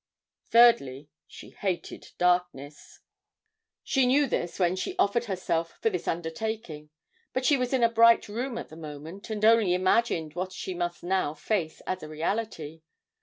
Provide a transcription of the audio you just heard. Thirdly: She hated darkness. She knew this when she offered herself for this undertaking; but she was in a bright room at the moment and only imagined what she must now face as a reality.